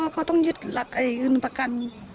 เขาต้องยึดหลัดไออื่นประกัน